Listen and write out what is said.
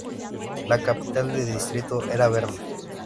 La capital del distrito era Berna.